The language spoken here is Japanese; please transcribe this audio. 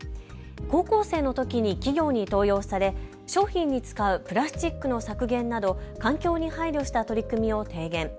高校生のときに企業に登用され商品に使うプラスチックの削減など環境に配慮した取り組みを提言。